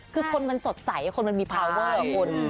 คือคนมันสดใสคนมันมีพาวเวอร์คุณ